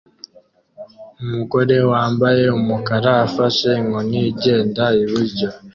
Umugore wambaye umukara afashe inkoni igenda iburyo